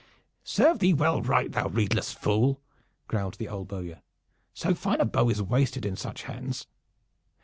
"Serve thee well right, thou redeless fool!" growled the old bowyer. "So fine a bow is wasted in such hands.